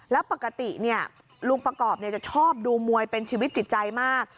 แล้วปกติลุงประกอบจะชอบดูมวยเป็นชีวิตจิตใจมาก